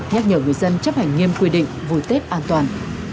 nhắc nhở người dân chấp hành nghiêm quy định vui tết an toàn